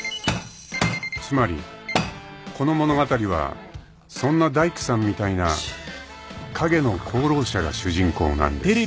［つまりこの物語はそんな大工さんみたいな陰の功労者が主人公なんです］